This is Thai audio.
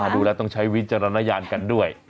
ดูแล้วต้องใช้วิจารณญาณกันด้วย